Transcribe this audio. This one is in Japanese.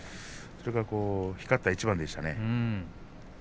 それが光った一番でした。